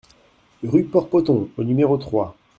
Rue Port Poton au numéro trois